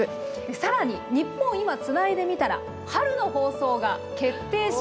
更に「ニッポン『今』つないでみたら」春の放送が決定しました。